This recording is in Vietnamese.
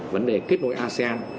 vấn đề kết nối asean